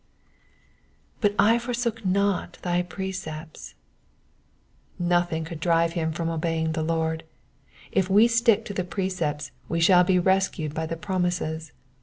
^'•But I forsook not thy precepts,'*'* Nothing could drive him from obeying the Lord. If we stick to the precepts we shall be rescued by the promises.